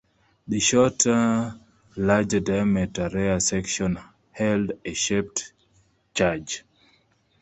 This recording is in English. The shorter, larger-diameter rear section held a shaped charge.